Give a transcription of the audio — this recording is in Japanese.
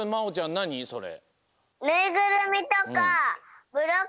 なにそれ？